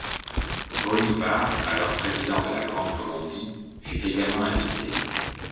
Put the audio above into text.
Bolívar, alors président de la Grande Colombie, fut également invité.